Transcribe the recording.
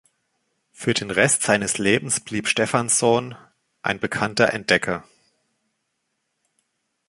Für den Rest seines Lebens blieb Stefansson ein bekannter Entdecker.